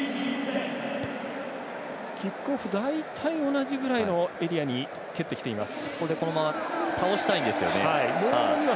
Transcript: キックオフ、大体同じぐらいのエリアに蹴ってきています。